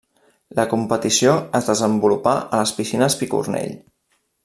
La competició es desenvolupà a les Piscines Picornell.